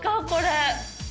これ。